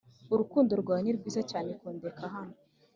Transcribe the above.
urukundo rwawe ni rwiza cyane kundeka hano